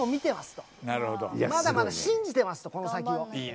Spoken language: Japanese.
まだまだ信じてますとこの先を。